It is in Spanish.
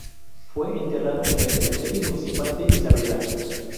Fue enterrado en el Cementerio Municipal de Isabela.